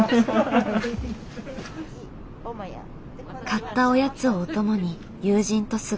買ったおやつをお供に友人と過ごす。